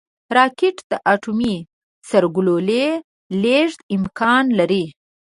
راکټ د اټومي سرګلولې لیږد امکان لري